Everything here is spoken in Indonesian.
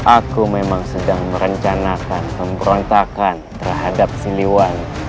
aku memang sedang merencanakan pemberontakan terhadap siliwan